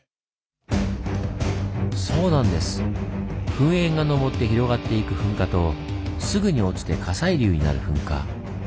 噴煙がのぼって広がっていく噴火とすぐに落ちて火砕流になる噴火。